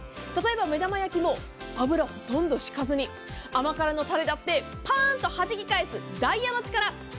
例えば目玉焼きも油ほとんど引かずに甘辛のタレだってパーンとはじき返すダイヤの力。